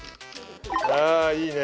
あいいね。